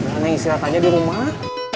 mana istrinya tanya di rumah